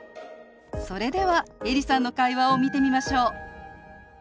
それではエリさんの会話を見てみましょう。